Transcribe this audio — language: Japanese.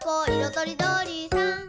とりどりさん」